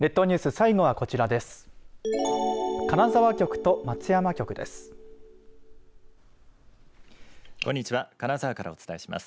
最後はこちらです。